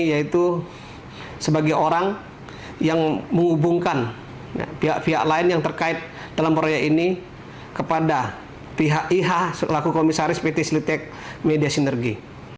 yaitu sebagai orang yang menghubungkan pihak pihak lain yang terkait dalam proyek ini kepada pihak iha selaku komisaris pt slitek media sinergi